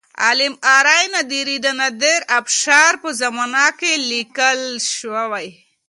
عالم آرای نادري د نادر افشار په زمانه کې لیکل شوی.